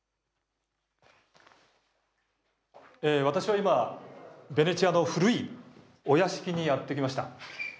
私は今、ベネチアの古いお屋敷にやってきました。